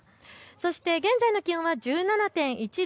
そして現在の気温は１７．１度